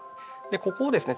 ここをですね